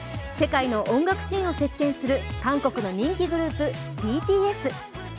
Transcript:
世界の音楽シーンを席巻する韓国の人気グループ、ＢＴＳ。